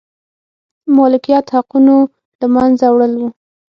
مالکیت حقونو له منځه وړل و.